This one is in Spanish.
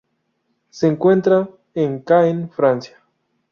Se encuentra en Caen, Francia.